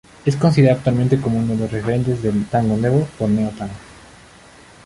Es considerado actualmente como uno de los referentes del Tango Nuevo o Neo-tango.